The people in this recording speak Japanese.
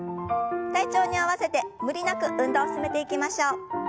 体調に合わせて無理なく運動を進めていきましょう。